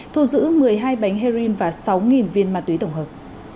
thu giữ một mươi hai bánh heroin và sáu viên ma túy tổng hợp